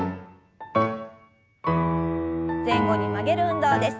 前後に曲げる運動です。